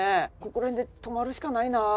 ここら辺で止まるしかないなあ。